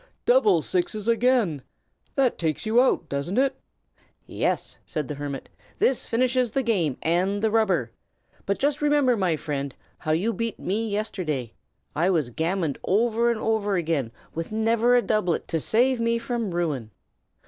"Double sixes again! That takes you out, doesn't it?" "Yes," said the hermit, "this finishes the game and the rubber. But just remember, my friend, how you beat me yesterday. I was gammoned over and over again, with never a doublet to save me from ruin."